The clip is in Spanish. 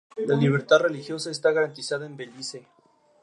Esta pista fue publicada como el segundo sencillo del disco antes mencionado.